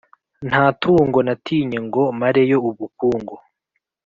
Nta tungo natinye Ngo mareyo ubukungu